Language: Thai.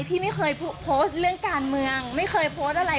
พี่ไม่เคยโพสต์เรื่องการเมืองไม่เคยโพสต์อะไร